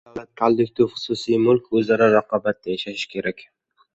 Davlat — kollektiv — xususiy mulk o‘zaro raqobatda yashashi kerak.